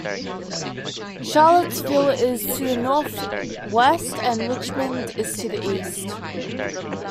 Charlottesville is to the northwest, and Richmond is to the east.